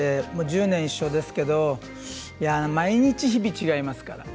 １０年一緒ですけれど毎日、日々違いますから。